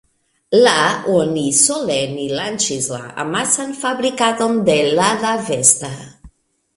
La oni solene lanĉis la amasan fabrikadon de Lada Vesta.